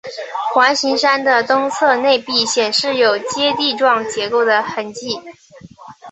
环形山的东侧内壁显示有阶地状结构的痕迹。